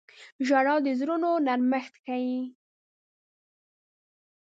• ژړا د زړونو نرمښت ښيي.